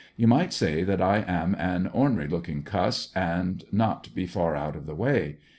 You might say that I am an "honery looking cuss" and not be far out of the way.